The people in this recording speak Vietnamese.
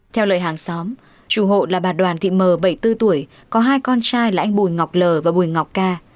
theo lời hàng xóm chủ hộ là bà đoàn thị m bảy mươi bốn tuổi có hai con trai là anh bùi ngọc lờ và bùi ngọc ca